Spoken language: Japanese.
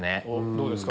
どうですか？